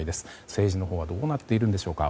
政治のほうはどうなっているんでしょうか。